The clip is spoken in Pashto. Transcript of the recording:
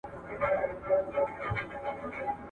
ادبي ډلې باید د څېړونکي په قضاوت باندې اغېز ونکړي.